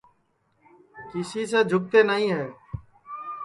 کیسی سے جھوکتے نائی ہے